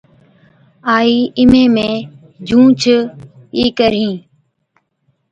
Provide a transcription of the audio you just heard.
’آئِي اِمهين مين جھُونچ ئِي ڪرهِين‘۔